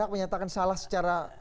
menyatakan salah secara